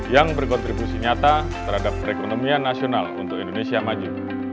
yang berkontribusi nyata terhadap perekonomian nasional untuk indonesia maju